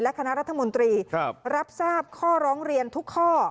คณะรัฐมนตรีรับทราบข้อร้องเรียนทุกข้อ